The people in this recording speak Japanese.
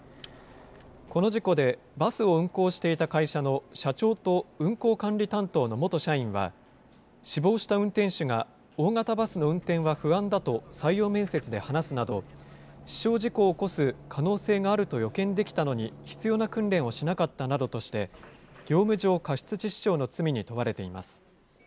この事故で、バスを運行していた会社の社長と運行管理担当の元社員は、死亡した運転手が大型バスの運転は不安だと採用面接で話すなど、死傷事故を起こす可能性があると予見できたのに必要な訓練をしなかったなどとして、業務上過失致死傷の罪に問われています。